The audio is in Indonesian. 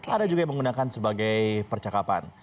ada juga yang menggunakan sebagai percakapan